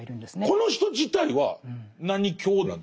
この人自体は何教なんですか？